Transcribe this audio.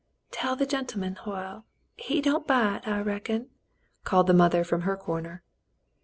"Tell the gentleman, Hoyle. He don't bite, I reckon," called the mother from her corner.